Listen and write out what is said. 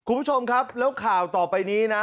คุณผู้ชมครับแล้วข่าวต่อไปนี้นะ